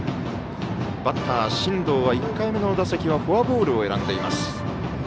バッター、進藤は１回目の打席はフォアボールを選んでいます。